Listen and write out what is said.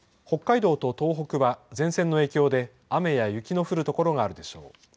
北海道と東北は前線の影響で雨や雪の降る所があるでしょう。